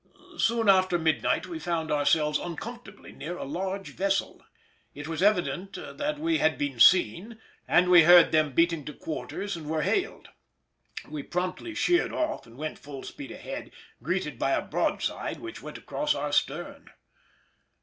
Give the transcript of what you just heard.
Soon after midnight we found ourselves uncomfortably near a large vessel. It was evident that we had been seen, as we heard them beating to quarters and were hailed. We promptly sheered off and went full speed ahead, greeted by a broadside which went across our stern.